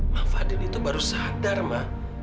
ma fadil itu baru sadar ma